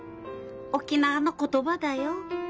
沖縄の言葉だよ。